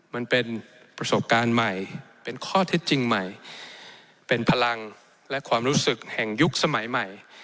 มันเป็นประสบการณ์ใหม่เป็นข้อเท็จจริงใหม่เป็นพลังและความรู้สึกแห่งยุคสมัยใหม่